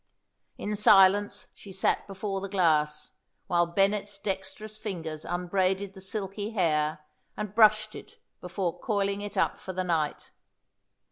In silence she sat before the glass, while Bennet's dexterous fingers unbraided the silky hair and brushed it before coiling it up for the night.